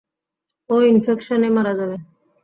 ও ইনফেকশনেই মারা যাবে।